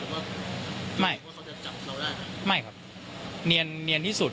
เรามีเรากลัวหรือว่าไม่ว่าเขาจะจับเราได้ไม่ครับเนียนเนียนที่สุด